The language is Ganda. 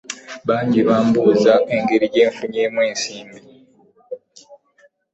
Bangi bambuuza engeri gye nfunyeemu ensimbi.